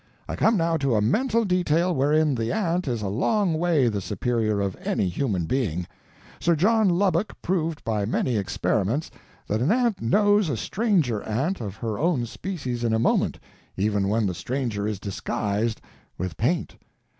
I come now to a mental detail wherein the ant is a long way the superior of any human being. Sir John Lubbock proved by many experiments that an ant knows a stranger ant of her own species in a moment, even when the stranger is disguised—with paint.